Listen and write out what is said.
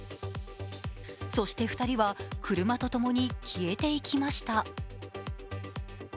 そして、２人は車とともに消えていきました。